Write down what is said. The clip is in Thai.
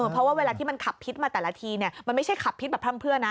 เพราะว่าเวลาที่มันขับพิษมาแต่ละทีมันไม่ใช่ขับพิษแบบพร่ำเพื่อนนะ